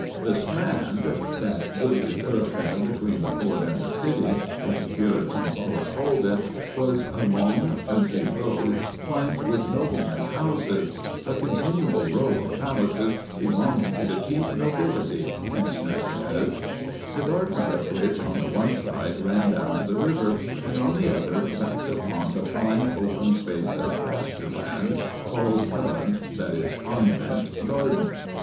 The Strand— "That goodly thoroughfare between The court and city," as a Puritan poet called it—was a long country road flanked with noblemen's houses ("a continual row of palaces, belonging to the chief nobility," Hentzner says), the gardens of which on the one side ran down to the river, and on the other backed upon the fine open space of pasture land called Covent (that is, Convent) Garden.